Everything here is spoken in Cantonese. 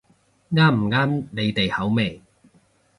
啱唔啱你哋口味